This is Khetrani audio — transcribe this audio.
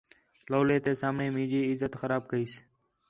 لَولے تے سامݨے مینجی عزت خراب کئیس